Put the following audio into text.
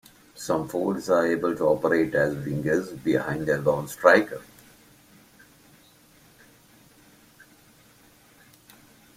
Some forwards are able to operate as wingers behind a lone striker.